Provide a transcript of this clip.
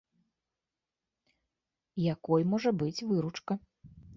Якой можа быць выручка?